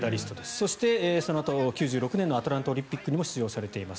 そして、そのあと１９９６年のアトランタオリンピックにも出場されています。